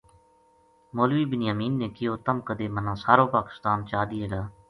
مولوی بنیامین نے کہیو تم کَدے مَنا سارو پاکستان چا دیئے گا